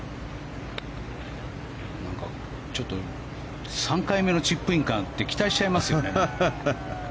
ちょっと３回目のチップインかって期待しちゃいますよね、これ。